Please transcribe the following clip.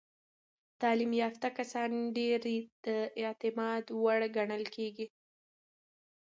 تعلیم یافته کسان ډیر د اعتماد وړ ګڼل کېږي.